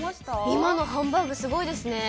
◆今のハンバーグ、すごいですね。